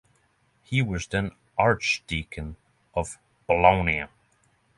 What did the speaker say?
He was then archdeacon of Bologna.